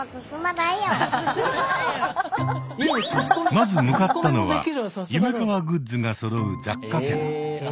まず向かったのはゆめかわグッズがそろう雑貨店。